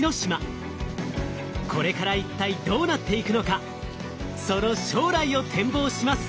これから一体どうなっていくのかその将来を展望します！